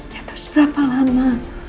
ya terus berapa lama